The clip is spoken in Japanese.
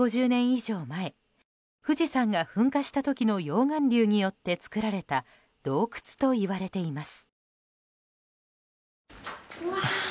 以上前富士山が噴火した時の溶岩流によって作られた洞窟といわれています。